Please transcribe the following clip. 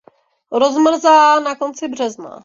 Rozmrzá na konci března.